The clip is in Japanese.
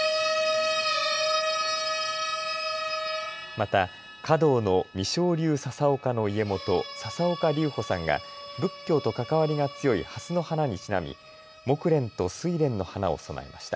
また華道の未生流笹岡の家元、笹岡隆甫さんが仏教と関わりが強いはすの花にちなみもくれんとすいれんの花を供えました。